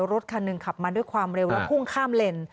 รถคันหนึ่งขับมาด้วยความเร็วแล้วพุ่งข้ามเลน